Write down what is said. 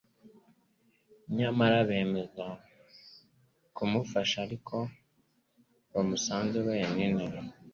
Nyamara bemeza kumufata ari uko bamusanze wenyine,